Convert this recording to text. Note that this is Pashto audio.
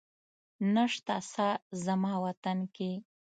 نسته ساه زما وطن کي